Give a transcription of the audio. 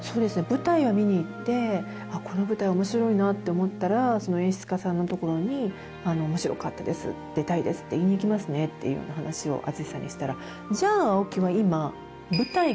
舞台を見に行ってこの舞台面白いなって思ったらその演出家さんのところに面白かったです出たいですって言いに行きますねっていうような話を淳さんにしたら。